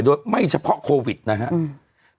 โดยไม่เฉพาะอะไรด้วยโควิดมี